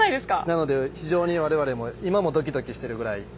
なので非常に我々も今もドキドキしてるぐらい。